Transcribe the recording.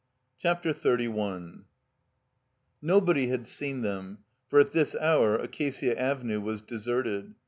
CHAPTER XXXI NOBODY had seen them, for at this hour Acacia Avenue was deserted.